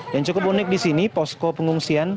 yang cukup unik di sini posko pengungsian